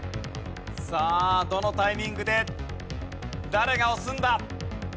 さあどのタイミングで誰が押すんだ？